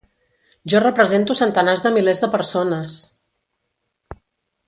Jo represento centenars de milers de persones!